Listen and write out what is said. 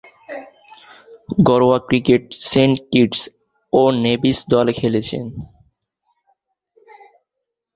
ঘরোয়া ক্রিকেটে Saint Kitts ও নেভিস দলে খেলছেন।